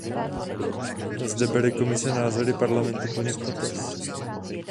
Zde bere Komise názory Parlamentu plně v potaz.